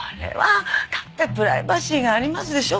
だってプライバシーがありますでしょ？